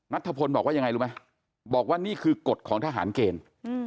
นัทธพลบอกว่ายังไงรู้ไหมบอกว่านี่คือกฎของทหารเกณฑ์